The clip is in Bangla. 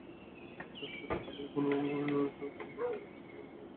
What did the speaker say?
নাশতার টেবিলে বসে এখনো চোখটা কিন্তু দেয়ালে টাঙানো ঘড়ির দিকেই যায়।